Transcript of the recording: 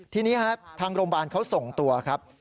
ทีนี้ทางโรงพยาบาลเขาส่งตัวครับ